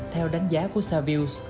theo đánh giá của savills